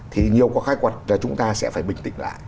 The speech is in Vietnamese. thì nhiều cái khai quật chúng ta sẽ phải bình tĩnh lại